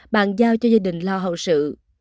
bàn giao cho gia đình lo hậu sự